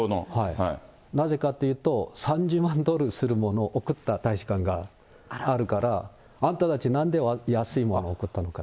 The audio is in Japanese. なぜかというと、３０万ドルするものを贈った大使館があるから、あんたたち、なんで安いもの贈ったのかって。